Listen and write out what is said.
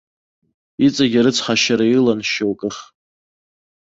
Иҵегь арыцҳашьара илан, шьоукых.